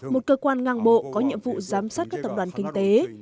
một cơ quan ngang bộ có nhiệm vụ giám sát các tập đoàn kinh tế